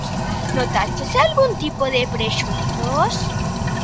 Notaches algún tipo de prexuízos?